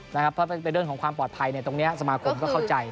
เพราะเป็นเรื่องของความปลอดภัยตรงนี้สมาคมก็เข้าใจ